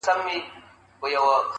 • ورور مي دی هغه دی ما خپله وژني.